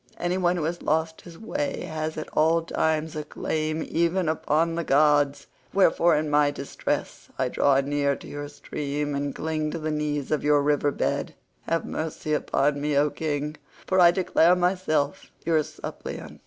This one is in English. Any one who has lost his way has at all times a claim even upon the gods, wherefore in my distress I draw near to your stream, and cling to the knees of your riverhood. Have mercy upon me, O king, for I declare myself your suppliant."